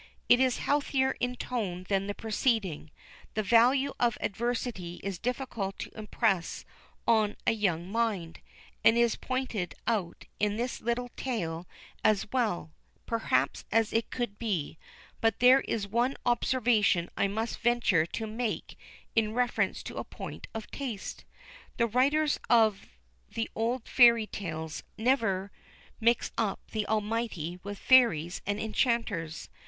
It is healthier in tone than the preceding: the value of adversity is difficult to impress on a young mind, and it is pointed out in this little tale as well, perhaps, as it could be; but there is one observation I must venture to make in reference to a point of taste. The writers of the old Fairy Tales never mix up the Almighty with fairies and enchanters.